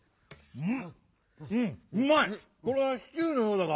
うん！